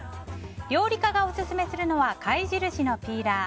料理家がオススメするのは貝印のピーラー。